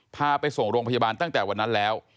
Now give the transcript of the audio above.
พาไปส่งโรงพยาบาลตั้งแต่วันนั้นแล้ว